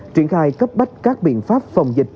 triển khai cấp bách các biện pháp phòng dịch